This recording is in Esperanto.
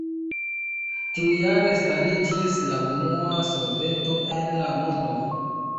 Tiujare stariĝis la unua soveto en la mondo.